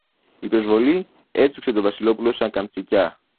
Η προσβολή έτσουξε το Βασιλόπουλο σαν καμτσικιά.